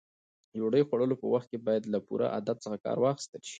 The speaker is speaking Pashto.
د ډوډۍ خوړلو په وخت کې باید له پوره ادب څخه کار واخیستل شي.